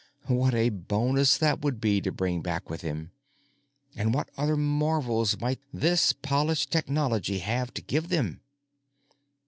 What a bonus that would be to bring back with him! And what other marvels might this polished technology have to give them....